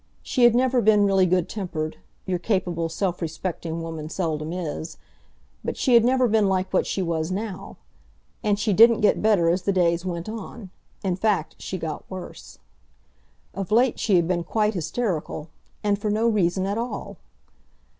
She had never been really good tempered—your capable, self respecting woman seldom is—but she had never been like what she was now. And she didn't get better as the days went on; in fact she got worse. Of late she had been quite hysterical, and for no reason at all!